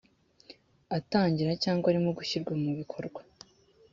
atangira cyangwa arimo gushyirwa mubikorwa